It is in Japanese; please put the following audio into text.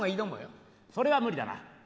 それは無理だな。